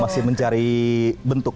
masih mencari bentuk